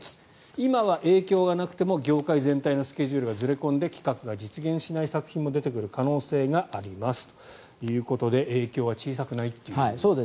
今は影響がなくても業界全体のスケジュールがずれ込んで企画が実現しない作品も出てくる可能性がありますということで影響は小さくないということですね。